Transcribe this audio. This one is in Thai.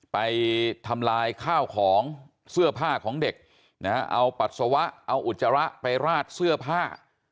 ไปทำลายข้าวของเสื้อผ้าของเด็กนะฮะเอาปัสสาวะเอาอุจจาระไปราดเสื้อผ้า